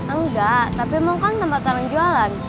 enggak tapi mall kan tempat tangan jualan